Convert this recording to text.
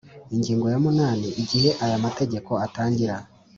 Ingingo ya munani Igihe aya mategeko atangira